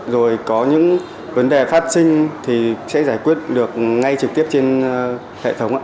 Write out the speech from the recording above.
rồi có những vấn đề phát sinh thì sẽ giải quyết được ngay trực tiếp trên hệ thống ạ